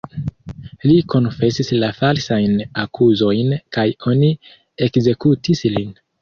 Li konfesis la falsajn akuzojn kaj oni ekzekutis lin.